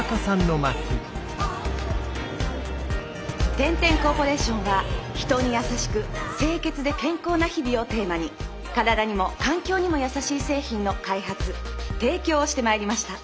「天・天コーポレーションは人に優しく清潔で健康な日々をテーマに身体にも環境にも優しい製品の開発提供をしてまいりました。